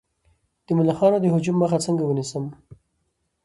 د ملخانو د هجوم مخه څنګه ونیسم؟